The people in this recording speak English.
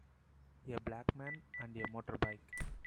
A black man and a motorbike.